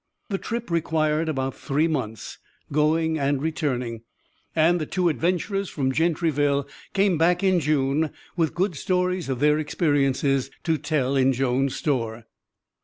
The trip required about three months, going and returning, and the two adventurers from Gentryville came back in June, with good stories of their experiences to tell in Jones' store.